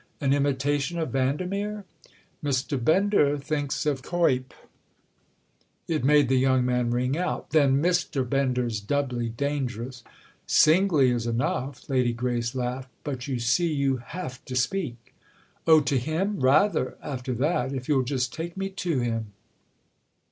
"An imitation of Vandermeer?" "Mr. Bender thinks of Cuyp." It made the young man ring out: "Then Mr. Bender's doubly dangerous!" "Singly is enough!" Lady Grace laughed. "But you see you have to speak." "Oh, to him, rather, after that—if you'll just take me to him."